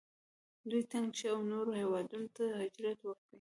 دوی تنګ شي او نورو هیوادونو ته هجرت وکړي.